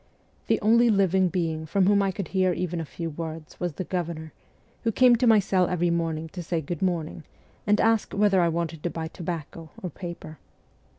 The only living being from whom I could hear even a few words was the governor, who came to my cell every morning to say ' good morning ' and ask whether I wanted to buy tobacco or paper.